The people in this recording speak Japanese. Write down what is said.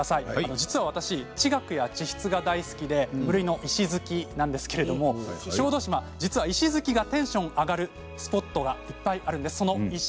実は私地学や地質が大好きで無類の石好きなんですけれども小豆島、実は石好きがテンション上がるスポットがいっぱいあるんです。